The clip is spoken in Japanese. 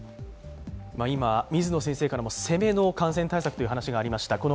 今、水野先生からも攻めの感染対策とお話がありました。